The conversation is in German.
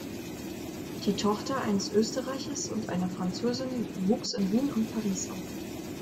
Die Tochter eines Österreichers und einer Französin wuchs in Wien und Paris auf.